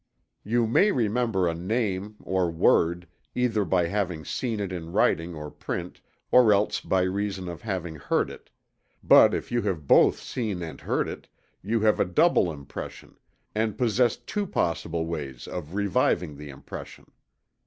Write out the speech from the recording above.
You may remember a name, or word, either by having seen it in writing or print; or else by reason of having heard it; but if you have both seen and heard it you have a double impression, and possess two possible ways of reviving the impression.